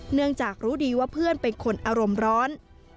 เนื่องจากรู้ดีว่าเพื่อนเป็นคนอารมณ์ร้อน